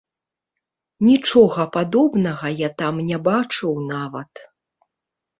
Нічога падобнага я там не бачыў нават.